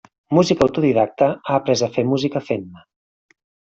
Músic autodidacte, ha après a fer música fent-ne.